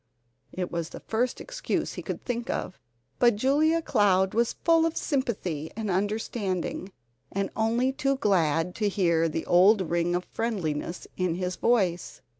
It was the first excuse he could think of. But Julia Cloud was full of sympathy and understanding, and only too glad to hear the old ring of friendliness in his voice.